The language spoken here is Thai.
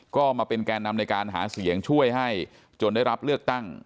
ก็มาเป็นแก่นำในการหาเสียงช่วยให้จนได้รับเลือกตั้ง